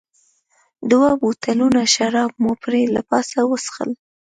دوه بوتلونه شراب مو پرې له پاسه وڅښل.